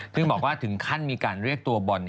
ซึ่งบอกว่าถึงขั้นมีการเรียกตัวบอล